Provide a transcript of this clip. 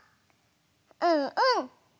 うんうん。